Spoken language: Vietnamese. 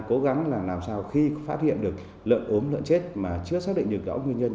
cố gắng là làm sao khi phát hiện được lợn ốm lợn chết mà chưa xác định được rõ nguyên nhân